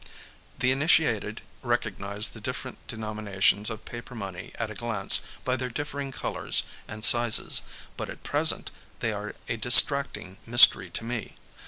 The initiated recognise the different denominations of paper money at a glance by their differing colours and sizes, but at present they are a distracting mystery to me.